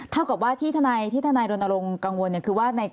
เท่ากับที่ทนายรณรงค์กังวลคือว่า